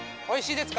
おいしい！